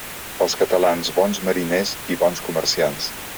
Els catalans, bons mariners i bons comerciants.